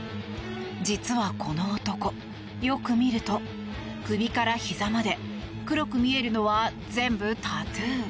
実はこの男、よく見ると首からひざまで黒く見えるのは全部タトゥー。